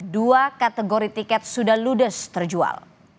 dua kategori tiket sudah ludes terjual